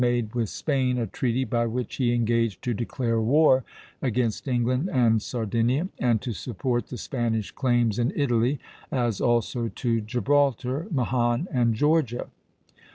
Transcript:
made with Spain a treaty, by which he engaged to declare war against England and Sardinia, and to support the Spanish claims in Italy, as also to Gibraltar, Mahon, and Georgia.